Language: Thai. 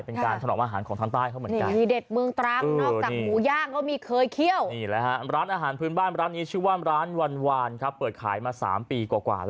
เป็นการสนองอาหารของชายใต้